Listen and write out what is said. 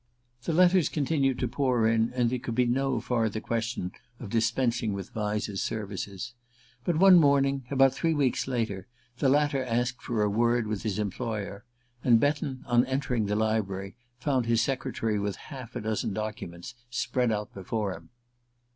The letters continued to pour in, and there could be no farther question of dispensing with Vyse's services. But one morning, about three weeks later, the latter asked for a word with his employer, and Betton, on entering the library, found his secretary with half a dozen documents spread out before him.